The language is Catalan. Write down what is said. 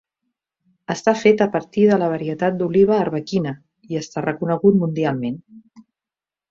Està fet a partir de la varietat d'oliva arbequina, i està reconegut mundialment.